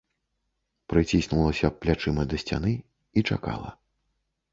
Прыціснулася плячыма да сцяны і чакала.